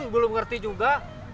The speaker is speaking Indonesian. belum ngerti juga